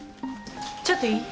ちょっといい？